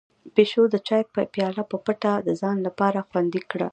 پيشو د چای پياله په پټه د ځان لپاره خوندي کړه.